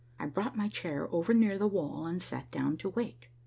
I brought my chair over nearer the wall and sat down to wait.